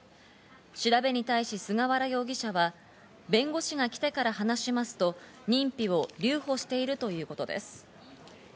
調べに対し菅原容疑者は弁護士が来てから話しますと認否を留保しているということです。